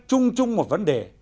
chung chung một vấn đề